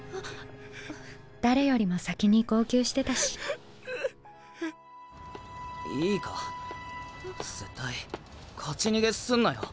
誰よりも先に号泣してたしいいか絶対勝ち逃げすんなよ！